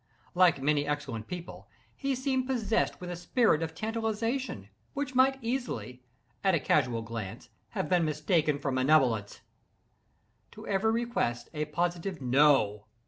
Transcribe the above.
Like many excellent people, he seemed possessed with a spirit of tantalization, which might easily, at a casual glance, have been mistaken for malevolence. To every request, a positive "No!"